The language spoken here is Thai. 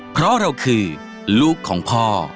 เพราะเราคือลูกของพ่อ